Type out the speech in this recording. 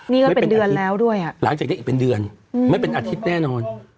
นี่ก็เป็นเดือนแล้วด้วยอ่ะหลังจากนี้อีกเป็นเดือนไม่เป็นอาทิตย์แน่นอน